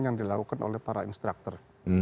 yang dilakukan oleh para instruktur